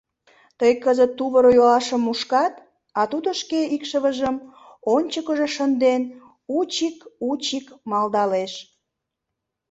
Тый кызыт тувыр-йолашым мушкат, а тудо шке икшывыжым, ончыкыжо шынден, учик-учик малдалеш.